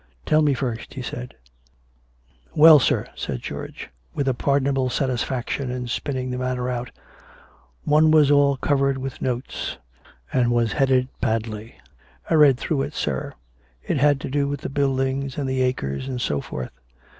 " Tell me, first," he said. " Well, sir," said George, with a pardonable satisfaction in spinning the matter out, " one was all covered with notes, and was headed ' Padley.* I read that through, sir. It had to do with the buildings and the acres, and so forth.